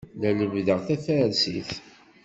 La lemmdeɣ tafarsit.